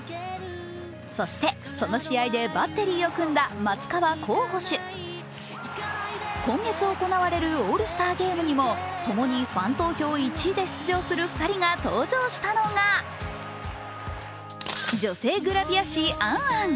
そして、その試合でバッテリーを組んだ松川虎生捕手。今月行われるオールスターゲームにもともにファン投票１位で出場する２人が登場したのが女性グラビア誌「ａｎ・ａｎ」。